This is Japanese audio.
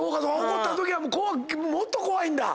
怒ったときはもっと怖いんだ！